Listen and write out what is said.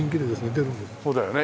そうだよね。